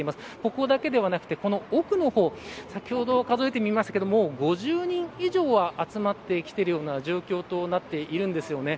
ここだけではなくて奥の方先ほど数えてみましたけど５０人以上集まってきているような状況となっているんです。